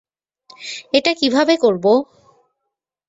এটা কীভাবে করবো?